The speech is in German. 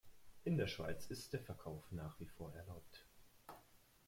In der Schweiz ist der Verkauf nach wie vor erlaubt.